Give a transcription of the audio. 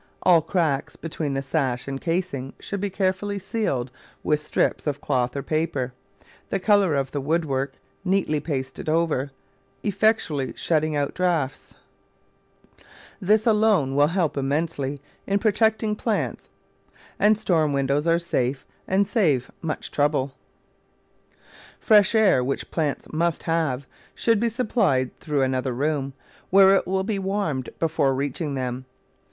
All cracks between the sash and casing should be carefully Digitized by Google Twenty] f^OU#*plattt* *i 3 sealed with strips of cloth or paper, the colour of the woodwork, neatly pasted over, effectually shutting out draughts. This alone will help immensely in pro tecting plants, and storm windows are safe and save much trouble. Fresh air, which plants must have, should be sup plied through another room, where it will be warmed before reaching them.